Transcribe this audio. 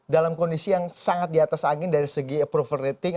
dalam kondisi yang sangat di atas angin dari segi approval rating